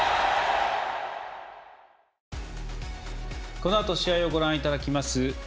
このあと試合をご覧いただきます